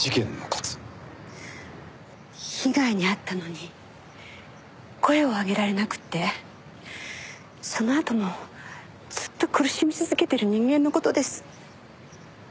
被害に遭ったのに声を上げられなくてそのあともずっと苦しみ続けてる人間の事です。